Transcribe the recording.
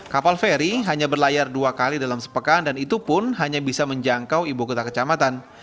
kapal feri hanya berlayar dua kali dalam sepekan dan itu pun hanya bisa menjangkau ibu kota kecamatan